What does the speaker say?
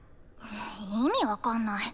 意味分かんない。